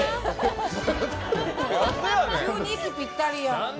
急に息ぴったりやん。